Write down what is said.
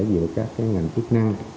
giữa các cái ngành chức năng